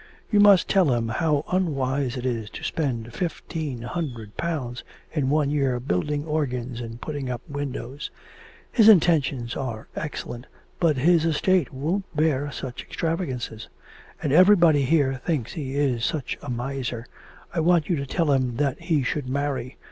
You must tell him how unwise it is to spend fifteen hundred pounds in one year building organs and putting up windows. His intentions are excellent, but his estate won't bear such extravagances; and everybody here thinks he is such a miser. I want you to tell him that he should marry.